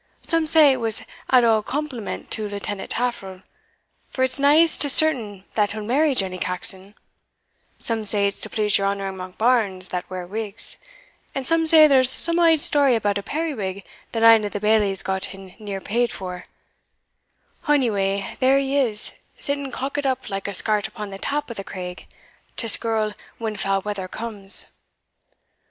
Some say it was out o' compliment to Lieutenant Taffril, for it's neist to certain that he'll marry Jenny Caxon, some say it's to please your honour and Monkbarns that wear wigs and some say there's some auld story about a periwig that ane o' the bailies got and neer paid for Onyway, there he is, sitting cockit up like a skart upon the tap o' the craig, to skirl when foul weather comes."